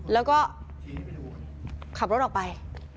แล้วก็ขับรถออกไป